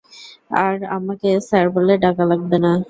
আর আমাকে স্যার বলে ডাকা লাগবে না।